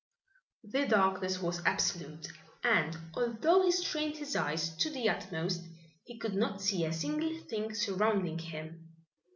The darkness was absolute, and although he strained his eyes to the utmost he could not see a single thing surrounding him.